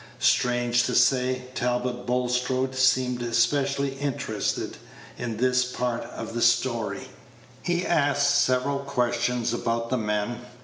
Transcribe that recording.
Strange to say, Talbot Bulstrode seemed Page 161 especially interested in this part of the story. He asked several questions about the men.